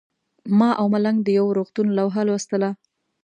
ما او ملنګ د یو روغتون لوحه لوستله.